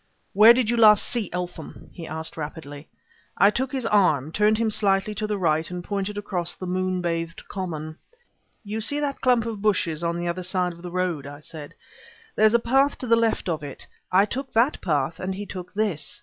"Where did you last see Eltham?" he asked rapidly. I took his arm, turning him slightly to the right, and pointed across the moonbathed common. "You see that clump of bushes on the other side of the road?" I said. "There's a path to the left of it. I took that path and he took this.